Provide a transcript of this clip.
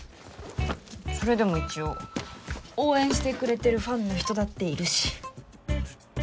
それでも一応応援してくれてるファンの人だっているし。